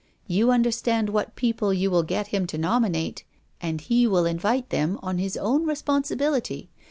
You understand what people you will get him to nominate, and he will invite them on his own responsibility.